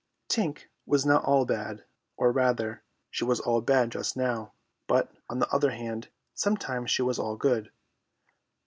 Tink was not all bad; or, rather, she was all bad just now, but, on the other hand, sometimes she was all good.